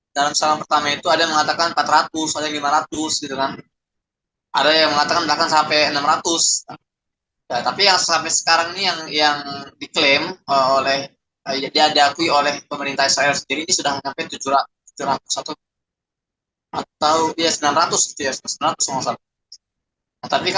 ada yang sampai enam ratus tapi yang sampai sekarang yang diklaim oleh oleh pemerintah sudah sampai